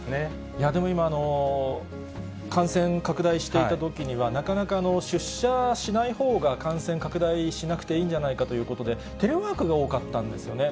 いや、でも今、感染拡大していたときには、なかなか出社しないほうが感染拡大しなくていいんじゃないかということで、テレワークが多かったんですよね。